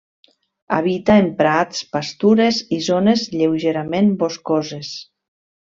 Habita en prats, pastures i zones lleugerament boscoses.